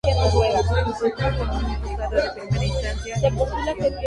Cuenta con un Juzgado de Primera Instancia e Instrucción.